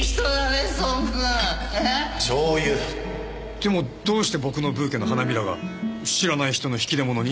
でもどうして僕のブーケの花びらが知らない人の引き出物に？